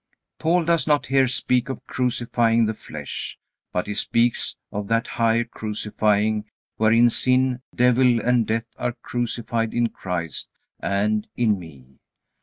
Paul does not here speak of crucifying the flesh, but he speaks of that higher crucifying wherein sin, devil, and death are crucified in Christ and in me.